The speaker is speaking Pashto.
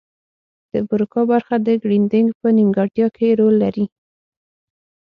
د بروکا برخه د ګړیدنګ په نیمګړتیا کې رول لري